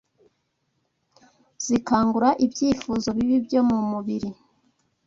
Zikangura ibyifuzo bibi byo mu mubiri.